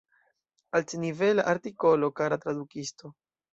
Altnivela artikolo, kara tradukisto.